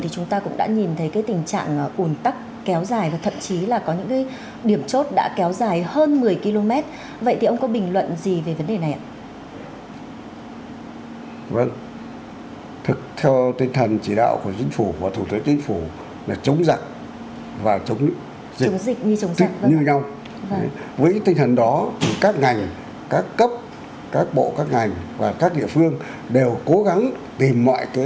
chúng ta cùng theo dõi một clip tổng hợp của chúng tôi